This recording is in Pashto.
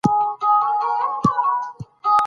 قانون د شخړو د حل چوکاټ برابروي.